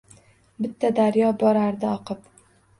Bitta daryo borardi oqib.